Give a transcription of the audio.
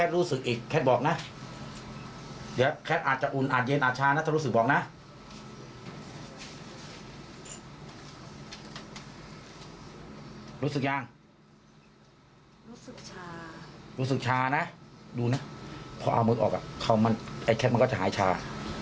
รู้สึกชาน่ะดูน่ะพอเอามือออกอ่ะมันก็จะหายชา